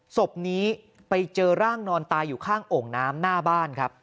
ศพนี้ไปเจอร่างนอนตายอยู่ข้างโอ่งน้ำหน้าบ้านครับ